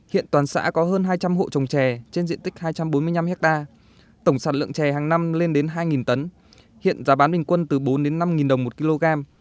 hiện toàn xã có hơn hai trăm linh hộ trồng trè trên diện tích hai trăm bốn mươi năm hectare tổng sản lượng trè hàng năm lên đến hai tấn hiện giá bán bình quân từ bốn đến năm đồng một kg